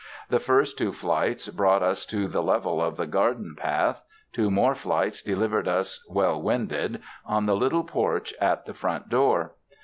The first two flights brought us to the level of the gar den path; two more flights delivered us, well winded, on the little porch at the front door.